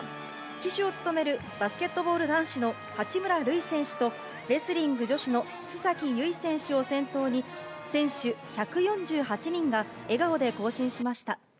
旗手を務めるバスケットボール男子の八村塁選手とレスリング女子の須崎優衣選手を先頭に、選手１４８人が笑顔で行進しました。